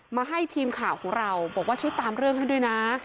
มาให้ทีมข่าวของเราบอกว่าช่วยตามเรื่องให้ด้วยนะ